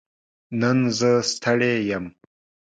نن زه ستړې يم